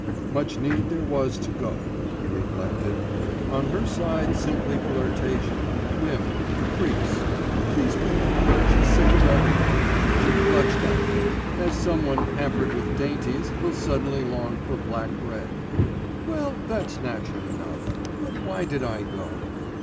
'Much need there was to go!' he reflected. 'On her side simply flirtation, whim, caprice.... She's bored, she's sick of everything, she clutched at me ... as some one pampered with dainties will suddenly long for black bread ... well, that's natural enough.... But why did I go?